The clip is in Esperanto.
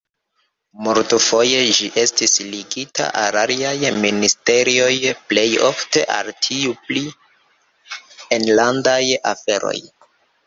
Multfoje ĝi estis ligita al aliaj ministerioj, plej ofte al tiu pri enlandaj aferoj.